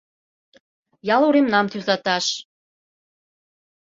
Ял уремнам тӱзаташ